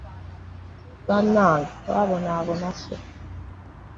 Banage twabonaabona ffe.